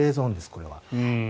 これは。